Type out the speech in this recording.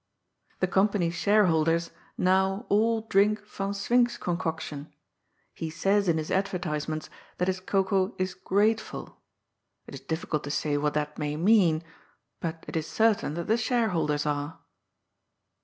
The company's shareholders now all drink Van Swink's concoction. He says in his advertisements that his cocoa is ^ gratefnl.' It is difficnlt to say what that may mean, but it is certain that the shareholders are.